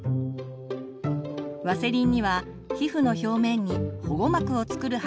ワセリンには皮膚の表面に保護膜を作る働きがあります。